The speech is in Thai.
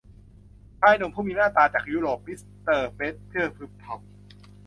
ชายหนุ่มผู้มีหน้ามีตาจากยุโรป มิสเตอร์แบดเจอร์พึมพำ